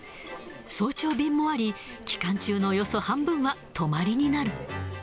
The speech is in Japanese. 早朝便もあり、期間中のおよそ半分は泊まりになる。